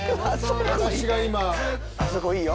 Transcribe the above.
あっそこいいわ！